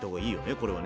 これはね。